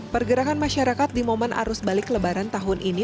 pergerakan masyarakat di momen arus balik lebaran tahun ini